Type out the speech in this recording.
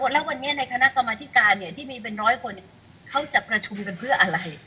แล้ววันนี้ในคณะกรรมธิการที่มีเป็นร้อยคนเขาจะประชุมกันเพื่ออะไร